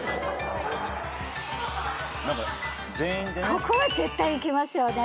ここは絶対行きますよね。